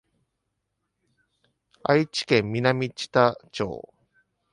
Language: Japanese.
愛知県南知多町